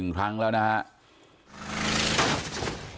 ๑ครั้งแล้วนะครับ